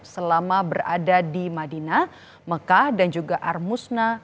selama berada di madinah mekah dan juga armusna